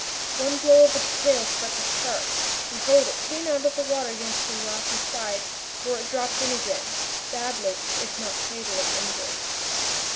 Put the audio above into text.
One blow of its tail struck a shark, and hurled it clean out of water against the rocky side, where it dropped in again, badly, if not fatally injured.